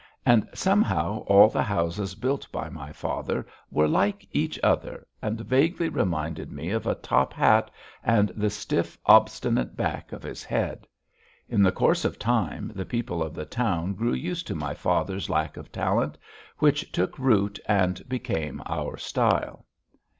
And somehow all the houses built by my father were like each other, and vaguely reminded me of a top hat, and the stiff, obstinate back of his head. In the course of time the people of the town grew used to my father's lack of talent, which took root and became our style.